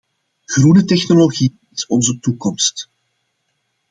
Groene technologie is onze toekomst.